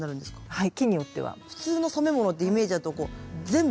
はい。